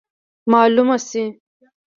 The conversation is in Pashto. معلومه سي.